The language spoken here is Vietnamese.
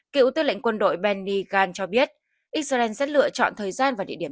cựu tư lệnh quân đội benny gant cho biết israel sẽ lựa chọn thời gian và địa điểm